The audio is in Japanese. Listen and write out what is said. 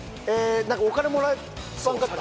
何かお金もらわんかった？